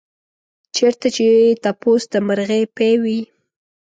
چېرته چې تپوس د مرغۍ پۍ وي.